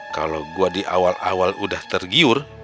kalau gue di awal awal udah tergiur